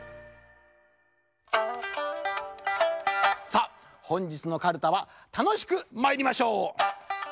さあほんじつのかるたはたのしくまいりましょう。